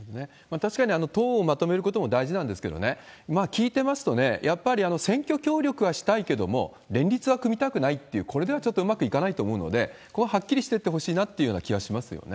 確かに党をまとめることも大事なんですけどね、聞いてますとね、やっぱり選挙協力はしたいけれども、連立は組みたくないっていう、これではちょっとうまくいかないと思うので、ここをはっきりしていってほしいなという気はしますよね。